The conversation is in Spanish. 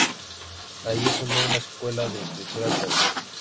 Allí fundó una escuela de escritura creativa.